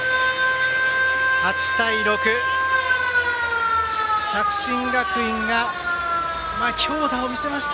８対６、作新学院が強打を見せました。